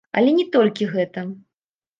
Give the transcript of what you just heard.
Але не толькі гэта.